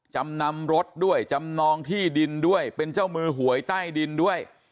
จำนำรถด้วยจำนองที่ดินด้วยเป็นเจ้ามือหวยใต้ดินด้วย